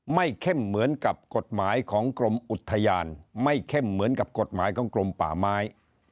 เข้มเหมือนกับกฎหมายของกรมอุทยานไม่เข้มเหมือนกับกฎหมายของกรมป่าไม้